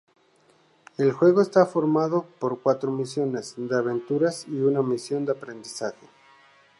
El juego está conformado por cuatro misiones de aventuras y una misión de aprendizaje.